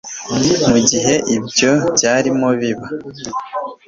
mu gihe ibyo byarimo biba